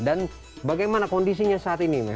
dan bagaimana kondisinya saat ini